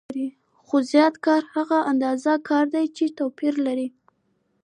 خو زیات کار هغه اندازه کار دی چې توپیر لري